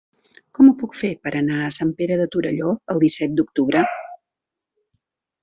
Com ho puc fer per anar a Sant Pere de Torelló el disset d'octubre?